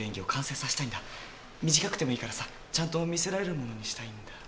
短くてもいいからさちゃんと見せられるものにしたいんだ。